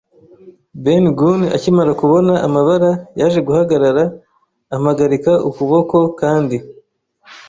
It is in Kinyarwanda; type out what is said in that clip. Ben Gunn akimara kubona amabara yaje guhagarara, ampagarika ukuboko, kandi